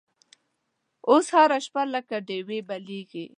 اوس هره شپه لکه ډیوې بلیږې